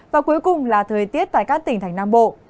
và cuối cùng là thời tiết tại các tỉnh thành nam bộ